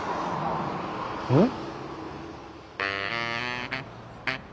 うん？